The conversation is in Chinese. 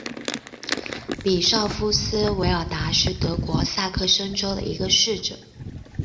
比绍夫斯韦尔达是德国萨克森州的一个市镇。